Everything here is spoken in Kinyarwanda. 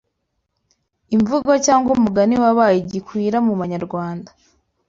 imvugo cyangwa umugani wabaye gikwira mu Banyarwanda